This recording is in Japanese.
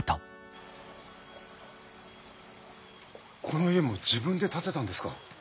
この家も自分で建てたんですか？